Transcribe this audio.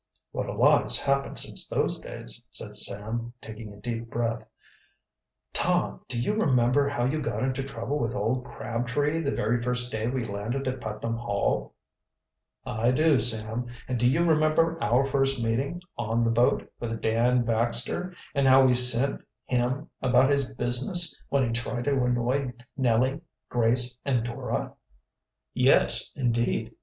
"What a lot has happened since those days," said Sam, taking a deep breath. "Tom, do you remember how you got into trouble with old Crabtree the very first day we landed at Putnam Hall?" "I do, Sam; and do you remember our first meeting, on the boat, with Dan Baxter, and how we sent him about his business when he tried to annoy Nellie, and Grace, and Dora?" "Yes, indeed.